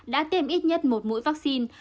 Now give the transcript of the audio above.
đã tiêm ít nhất một mũi vaccine